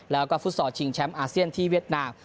แล้วก็ฟุตซอลชิงแชมป์อาเซียนที่เวียดนาม